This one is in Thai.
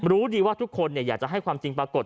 รู้ดีว่าทุกคนอยากจะให้ความจริงปรากฏ